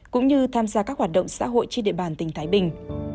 cũng như tham gia các hoạt động xã hội trên địa bàn tỉnh thái bình